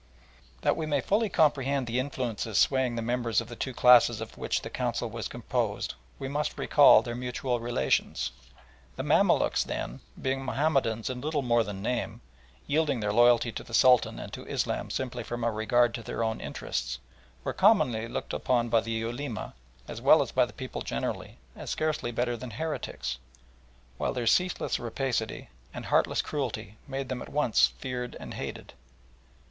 That we may fully comprehend the influences swaying the members of the two classes of which the Council was composed, we must recall their mutual relations. The Mamaluks, then, being Mahomedans in little more than name, yielding their loyalty to the Sultan and to Islam simply from a regard to their own interests, were commonly looked upon by the Ulema, as well as by the people generally, as scarcely better than heretics, while their ceaseless rapacity and heartless cruelty made them at once feared and hated.